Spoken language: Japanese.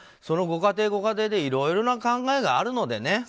そのご家庭ご家庭でいろいろな考えがあるのでね。